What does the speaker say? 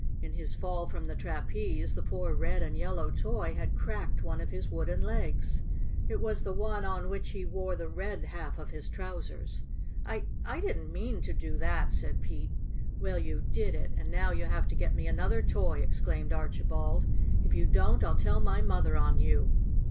In his fall from the trapeze the poor red and yellow toy had cracked one of his wooden legs. It was the one on which he wore the red half of his trousers. "I I didn't mean to do that," said Pete. "Well, you did it; and now you have to get me another toy!" exclaimed Archibald. "If you don't I'll tell my mother on you."